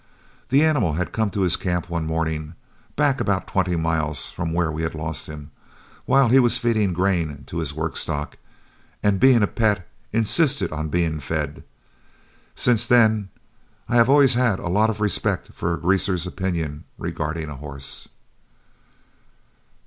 The animal had come to his camp one morning, back about twenty miles from where we had lost him, while he was feeding grain to his work stock, and being a pet insisted on being fed. Since then, I have always had a lot of respect for a Greaser's opinion regarding a horse."